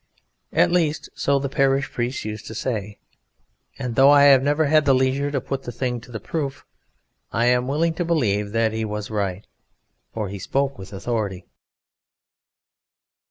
At least, so the parish priest used to say, and though I have never had the leisure to put the thing to the proof, I am willing to believe that he was right, for he spoke with authority.